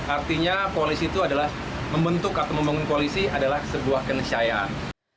artinya membangun koalisi adalah sebuah kenyayaan